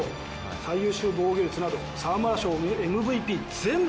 最優秀防御率など沢村賞にＭＶＰ全部。